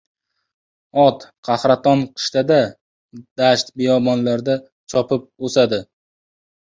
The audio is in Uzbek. Ot qahraton qishda-da dasht-biyobonlarda chopib o‘sadi.